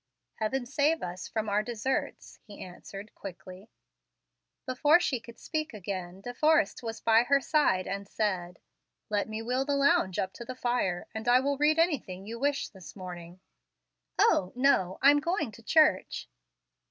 "Heaven save us from our deserts," he answered quickly. Before she could speak again, De Forrest was by her side and said, "Let me wheel the lounge up to the fire, and I will read anything you wish this morning." "O, no; I'm going to church."